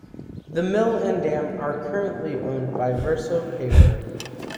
The mill and dam are currently owned by Verso Paper.